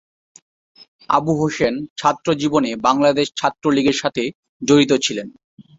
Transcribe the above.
আবু হোসেন ছাত্র জীবনে বাংলাদেশ ছাত্রলীগের সাথে জড়িত ছিলেন।